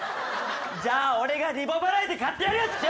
じゃあ俺がリボ払いで買ってやるよ畜生！